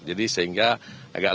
jadi sehingga agak lebih lengkap